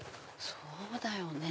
そうだよね